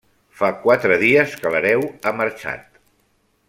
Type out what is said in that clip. Fa quatre dies que l'hereu ha marxat.